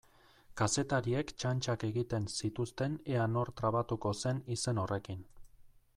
Kazetariek txantxak egiten zituzten ea nor trabatuko zen izen horrekin.